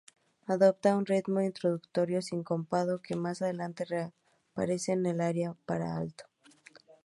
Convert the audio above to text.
Adopta un ritmo introductorio sincopado que más adelante reaparece en el aria para alto.